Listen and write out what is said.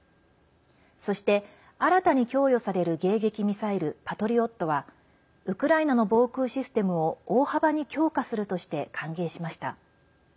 そして、新たに供与される迎撃ミサイル「パトリオット」はウクライナの防空システムを大幅に強化するとして歓迎しました。